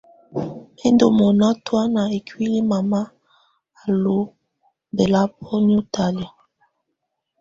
Mɛ̀ ndù mɔna tɔ̀ána ikuili mama á lú bɛlabɔnɛ̀á talɛ̀á.